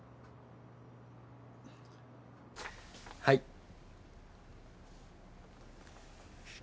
はい。